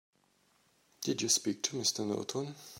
Did you speak to Mr. Norton?